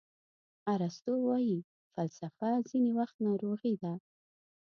ارسطو وایي فلسفه ځینې وخت ناروغي ده.